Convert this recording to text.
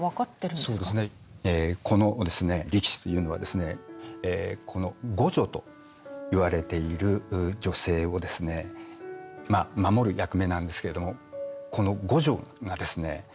このですね力士というのはですねこの呉女といわれている女性をですね守る役目なんですけれどもこの呉女がですね